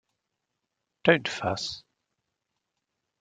Don’t fuss.